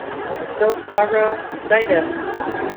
"Soap Opera Digest".